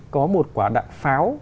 có một quả đạn pháo